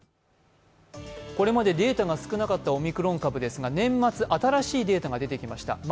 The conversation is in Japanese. これまでデータが少なかったオミクロン株ですが年末、新しいデータが出てきました